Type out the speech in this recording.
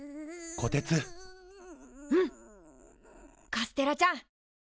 カステラちゃん。